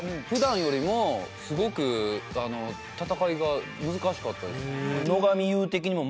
普段よりもすごく戦いが難しかったです。